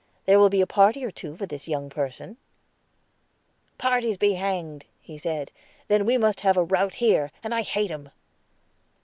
There will be a party or two for this young person." "Parties be hanged!" he said. "Then we must have a rout here, and I hate 'em."